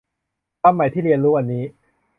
คำใหม่ที่เรียนรู้วันนี้